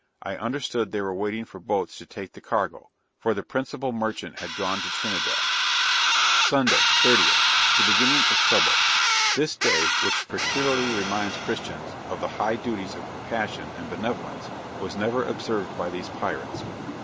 I understood they were waiting for boats to take the cargo; for the principal merchant had gone to Trinidad. Sunday, 30th. The beginning of trouble! This day, which peculiarly reminds Christians of the high duties of compassion and benevolence, was never observed by these pirates.